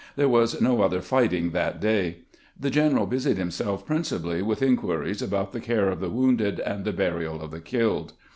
There was no other fighting that day. The general busied himself principally with inquiries about the care of the wounded and the burial of the killed.